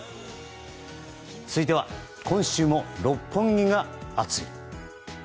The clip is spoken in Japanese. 続いては、今週も六本木が熱い！